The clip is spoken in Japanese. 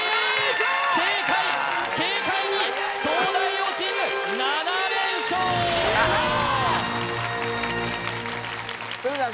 正解軽快に東大王チーム７連勝鶴ちゃん